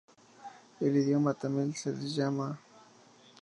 En idioma tamil se les llama ஆழ்வார்கள்.